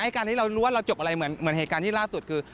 การที่เรารู้ว่าเราจบอะไรเหมือนเหตุการณ์ที่ล่าสุดคือ